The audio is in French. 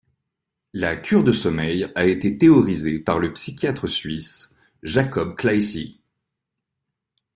La cure de sommeil a été théorisée par le psychiatre suisse Jakob Klaesi.